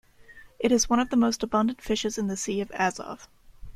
It is one of the most abundant fishes in the Sea of Azov.